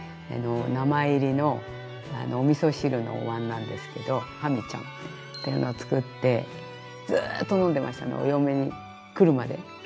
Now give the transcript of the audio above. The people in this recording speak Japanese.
あの名前入りのおみそ汁のお椀なんですけど「はみちゃん」っていうのをつくってずっと飲んでましたねお嫁に来るまで。